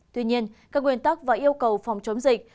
tuy nhiên các nguyên tắc và yêu cầu phòng chống dịch